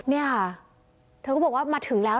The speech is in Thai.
นี่ค่ะเธอก็บอกว่ามาถึงแล้ว